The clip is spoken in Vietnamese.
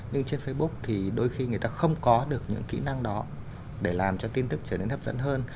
nhưng trên facebook thì đôi khi người ta không có được những kỹ năng đó để làm cho tin tức trở nên hấp dẫn hơn